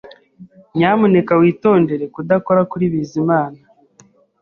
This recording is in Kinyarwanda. Nyamuneka witondere kudakora kuri Bizimana